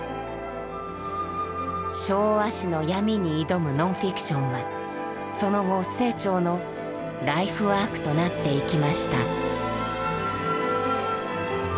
昭和史の闇に挑むノンフィクションはその後清張のライフワークとなっていきました。